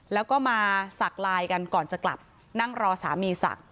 แล้วก็มาสักไลน์กันก่อนจะกลับนั่งรอสามีสัก